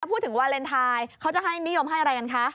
พูดถึงวาเลนไทยเขาจะให้นิยมให้อะไรกันคะ